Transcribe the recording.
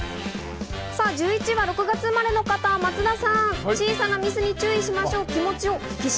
１１位は６月生まれの方、松田さん。